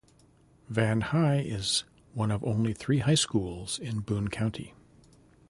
Van High is one of only three high schools in Boone County.